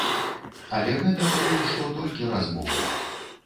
Але гэта пакуль што толькі размовы.